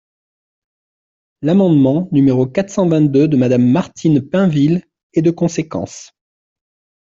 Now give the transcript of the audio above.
L’amendement numéro quatre cent vingt-deux de Madame Martine Pinville est de conséquence.